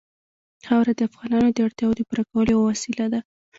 خاوره د افغانانو د اړتیاوو د پوره کولو یوه وسیله ده.